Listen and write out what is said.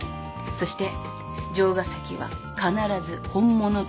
そして城ヶ崎は必ず本物と断定する。